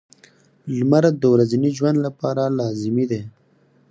• لمر د ورځني ژوند لپاره لازمي دی.